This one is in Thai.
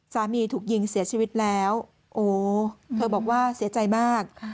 สามีถูกยิงเสียชีวิตแล้วโอ้เธอบอกว่าเสียใจมาก